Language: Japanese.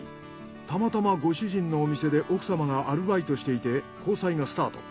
たまたまご主人のお店で奥様がアルバイトしていて交際がスタート。